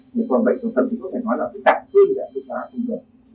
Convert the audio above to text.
còn bệnh tổn thương có thể gây tổn thương gây tổn thương gây tổn thương